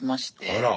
あら。